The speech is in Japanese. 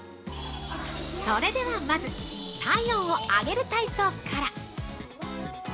それでは、まず体温を上げる体操から。